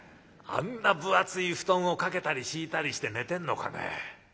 あんな分厚い布団をかけたり敷いたりして寝てんのかね。